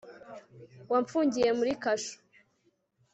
wamfungiye muri kasho